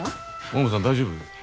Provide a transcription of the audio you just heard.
ももさん大丈夫？